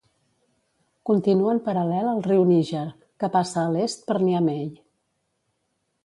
Continua en paral·lel al riu Níger, que passa a l'est per Niamey.